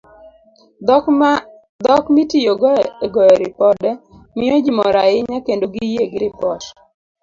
Dhok mitiyogo e goyo ripode, miyo ji mor ahinya kendo giyie gi ripot.